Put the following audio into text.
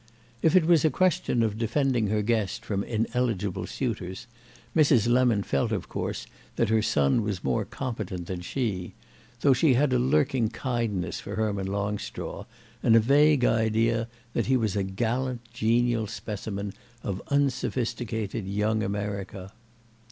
If it was a question of defending her guest from ineligible suitors Mrs. Lemon felt of course that her son was more competent than she; though she had a lurking kindness for Herman Longstraw and a vague idea that he was a gallant genial specimen of unsophisticated young America.